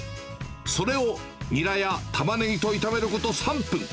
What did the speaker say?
それをニラやタマネギと炒めること３分。